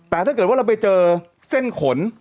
แต่ถ้าเกิดว่าเราไปเจอเส้นขน